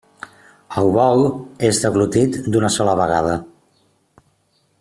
El bol és deglutit d'una sola vegada.